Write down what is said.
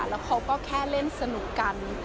แล้วเขาก็แค่เล่นสนุกกัน